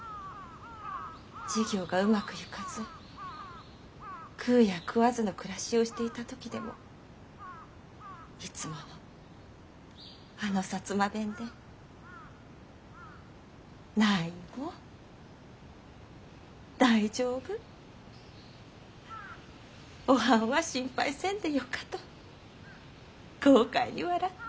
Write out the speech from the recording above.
事業がうまくいかず食うや食わずの暮らしをしていた時でもいつもあの薩摩弁で「何も大丈夫おはんは心配せんでよか」と豪快に笑って。